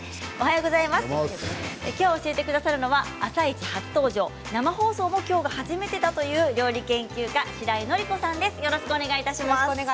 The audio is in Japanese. きょう教えてくださるのは「あさイチ」初登場生放送も初めてだという料理研究家のしらいのりこさんです。